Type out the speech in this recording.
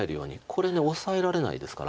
これオサえられないですから。